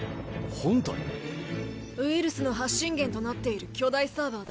ウイルスの発信源となっている巨大サーバーだ。